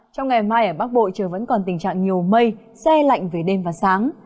trong ngày mai ở bắc bộ trời vẫn còn tình trạng nhiều mây xe lạnh về đêm và sáng